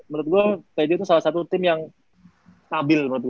menurut gue pj itu salah satu tim yang stabil menurut gue